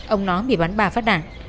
ông nó bị bắn ba phát đạn